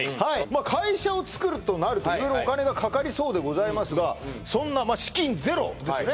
会社をつくるとなると色々お金がかかりそうでございますがそんな資金ゼロですよね